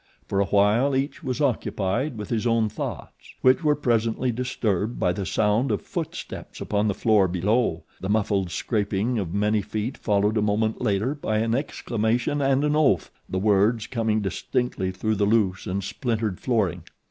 For a while each was occupied with his own thoughts; which were presently disturbed by the sound of footsteps upon the floor below the muffled scraping of many feet followed a moment later by an exclamation and an oath, the words coming distinctly through the loose and splintered flooring.